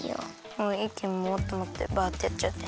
もういっきにもっともっとバってやっちゃって。